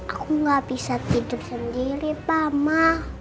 aku gak bisa tidur sendiri mama